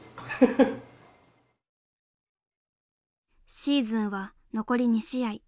シーズンは残り２試合。